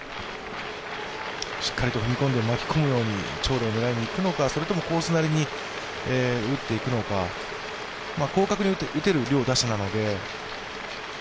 しっかりと踏み込んで巻き込むように長打を狙っていくのか、それともコースなりに打っていくのか、広角で打てる両打者なので。